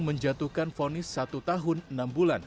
menjatuhkan fonis satu tahun enam bulan